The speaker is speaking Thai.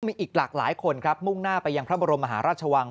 มีอีกหลากหลายคนครับมุ่งหน้าไปยังพระบรมมหาราชวัง